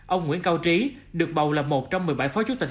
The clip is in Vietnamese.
ông nguyễn cao trí được bầu là một trong một mươi bảy phó chủ tịch